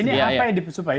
ini apa yang disupply